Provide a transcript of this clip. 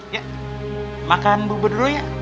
ya makan bubur ya